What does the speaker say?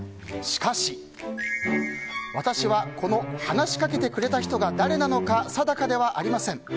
しかし、私はこの話しかけてくれた人が誰なのか定かではありません。